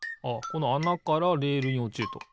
このあなからレールにおちると。